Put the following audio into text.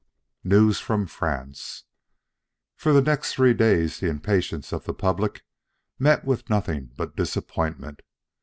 XV NEWS FROM FRANCE For the next three days the impatience of the public met with nothing but disappointment.